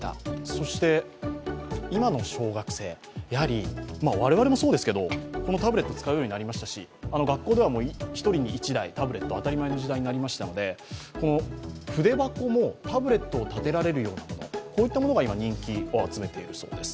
そして、今の小学生我々もそうですけど、このタブレット使うようになりましたし学校では１人に１台タブレット、当たり前の時代となりましたので筆箱もタブレットを立てられるようなものが人気を集めているそうです。